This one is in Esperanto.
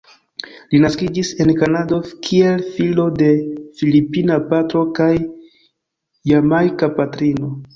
Li naskiĝis en Kanado kiel filo de filipina patro kaj jamajka patrino.